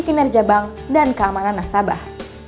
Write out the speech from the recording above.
kinerja bank dan keamanan nasabah